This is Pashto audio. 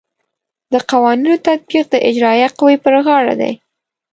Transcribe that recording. د قوانینو تطبیق د اجرائیه قوې پر غاړه دی.